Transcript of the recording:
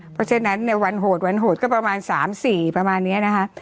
เพราะฉะนั้นในวันโหดวันโหดก็ประมาณ๓๔ประมาณนี้นะคะ